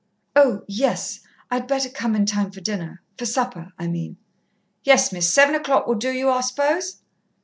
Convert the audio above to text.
"Oh yes. I'd better come in time for dinner for supper, I mean." "Yes, Miss. Seven o'clock will do you, I suppose?"